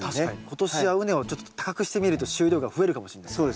今年は畝をちょっと高くしてみると収量が増えるかもしれないですね。